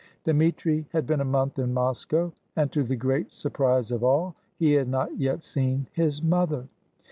Dmitri had been a month in Moscow, and, to the great surprise of all, he had not yet seen his mother.